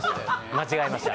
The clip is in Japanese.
間違えました。